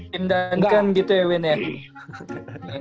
pindangkan gitu ya win ya